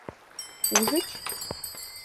— Ужыч?